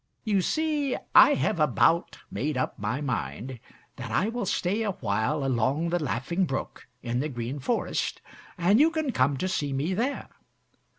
"You see I have about made up my mind that I will stay a while along the Laughing Brook in the Green Forest, and you can come to see me there.